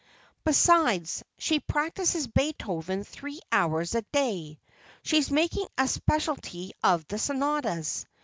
Besides, she practices Beethoven three hours a day—she's making a specialty of the sonatas.